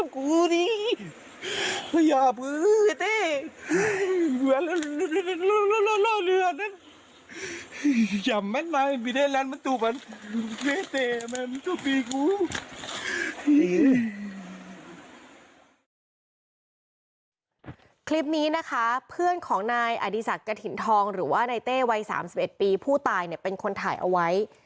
คลิปนี้นะคะเพื่อนของนายอดีศกระถิ่นทองในเต้ว่าไต้วัน๓๑ปีผู้ตายเป็นคนถ่ายเอาไว้